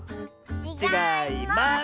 ちがいます！